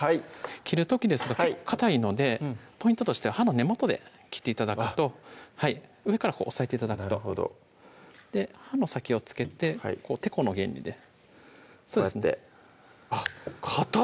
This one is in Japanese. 切る時ですが結構かたいのでポイントとしては刃の根元で切って頂くと上から押さえて頂くとなるほど刃の先を付けててこの原理でこうやってあっかたい！